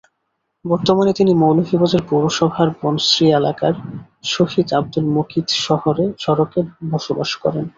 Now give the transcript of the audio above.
বর্তমানে তিনি মৌলভীবাজার পৌরসভার বনশ্রী এলাকার শহীদ আবদুল মুকিত সড়কে বসবাস করেন।